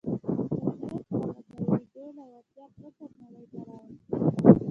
طبيعت هغه د اورېدو له وړتيا پرته نړۍ ته راووست.